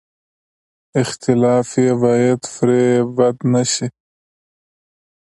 اختلاف یې باید پرې بد نه شي.